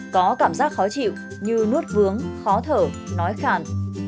có cảm giác khó chịu như nuốt vướng khó thở nói khàn